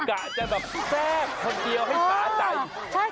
กะจะแบบแซ่บคนเดียวให้ขาใจ